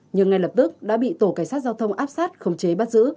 nhưng ngay lập tức đã bị tổ cảnh sát giao thông áp sát khống chế bắt giữ